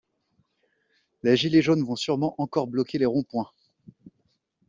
Les gilets jaunes vont surement encore bloquer les ronds points.